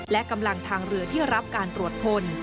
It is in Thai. และกำลังทางเรือที่รับการตรวจพล